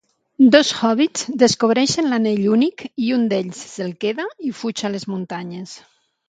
Dos hòbbits descobreixen l'Anell Únic i un d'ells se'l queda i fuig a les muntanyes.